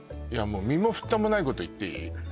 もう身もふたもないこと言っていい？